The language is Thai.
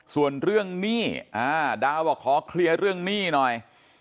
ส่วนเรื่องหนี้ดาวบอกขอเคลียร์เรื่องหนี้หน่อย